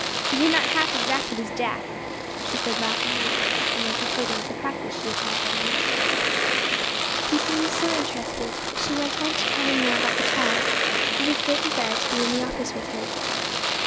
"You are not half as rapid as Jack," she said, laughingly; and then she told him of the practice she had had writing nursery rhymes. He seemed so interested that she went on to tell him more about the child, and his great desire to be in the office with her.